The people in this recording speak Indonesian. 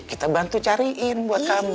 kita bantu cariin buat kamu